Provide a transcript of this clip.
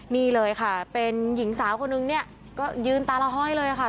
นี่เลยค่ะเป็นหญิงสาวคนนึงเนี่ยก็ยืนตาละห้อยเลยค่ะ